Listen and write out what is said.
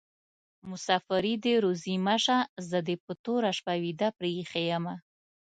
مسافري دي روزي مشه: زه دي په توره شپه ويده پریښي يمه